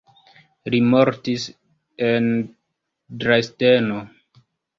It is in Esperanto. Li mortis en Dresdeno.